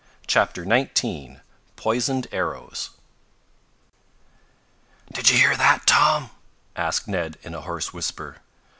CHAPTER XIX POISONED ARROWS "Did you hear that, Tom?" asked Ned, in a hoarse whisper.